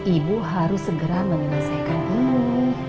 ibu harus segera menyelesaikan ini